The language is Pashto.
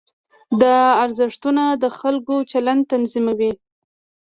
دا ارزښتونه د خلکو چلند تنظیموي.